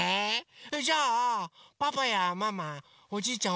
それじゃあパパやママおじいちゃん